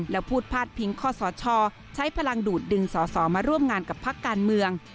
แล้วพูดพาดพิงข้อสชใช้พลังดูดดึงสอสอมาร่วมงานกับพักการเมือง